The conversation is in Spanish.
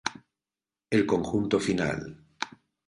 El conjunto final.